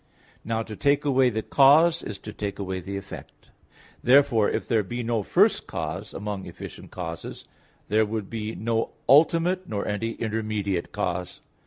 Now to take away the cause is to take away the effect. Therefore, if there be no first cause among efficient causes, there will be no ultimate, nor any intermediate cause.